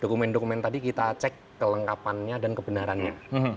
dokumen dokumen tadi kita cek kelengkapannya dan kebenarannya